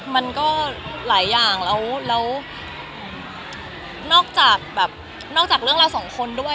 มันก็หลายอย่างแล้วนอกจากเรื่องเราสองคนด้วย